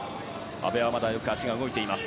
阿部はまだ足がよく動いています。